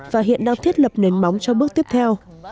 và hiện đang thiết lập nền móng cho bước tiếp theo